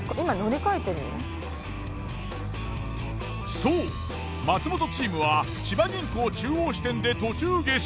そう松本チームは千葉銀行中央支店で途中下車。